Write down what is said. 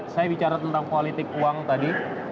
saya bicara tentang politik uang tadi